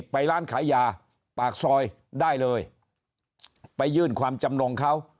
ไปร้านขายยาปากซอยได้เลยไปยื่นความจำนงเขา